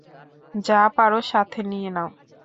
যা পারো সাথে নিয়ে নাও।